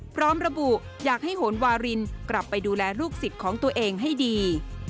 พร้อมระบุอยากให้โหนวารินกลับไปดูแลลูกศิษย์ของตัวเองให้ดี